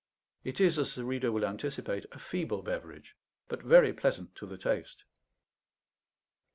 It is, as the reader will anticipate, a feeble beverage, but very pleasant to the taste.